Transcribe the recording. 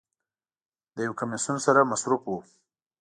د یو کمیسون سره مصروف و.